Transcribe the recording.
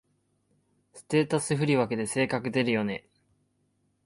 ステータス振り分けで性格出るよね